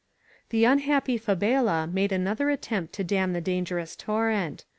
'* The unhappy Fabela made another attempt to dam the dangerous torrent.